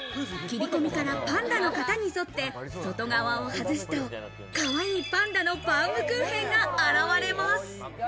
切り込みからパンダの型に沿って外側を外すと、かわいいパンダのバウムクーヘンが現れます。